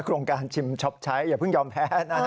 โครงการชิมช็อปใช้อย่าเพิ่งยอมแพ้นะฮะ